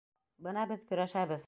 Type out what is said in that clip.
Бына беҙ көрәшәбеҙ.